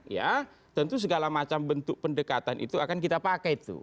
ya tentu segala macam bentuk pendekatan itu akan kita pakai tuh